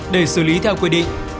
để xử lý theo quy định